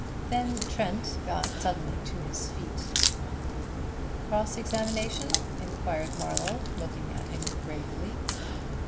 Then Trent got suddenly to his feet. "Cross examination?" inquired Marlowe, looking at him gravely.